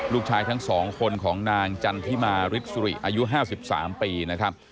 สุขชายทั้งสองคนของนางจันทิมาริทสุริอายุ๕๓ปี